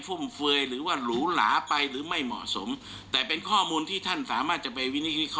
ฟุ่มเฟื่อยหรือไม่